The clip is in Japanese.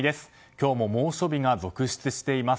今日も猛暑日が続出しています。